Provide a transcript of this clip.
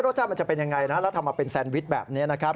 รสชาติมันจะเป็นยังไงนะแล้วทำมาเป็นแซนวิชแบบนี้นะครับ